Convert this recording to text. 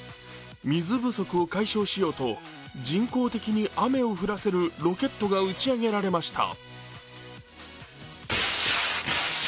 水不足を解消しようと人工的に雨を降らせるロケットが打ち上げられました。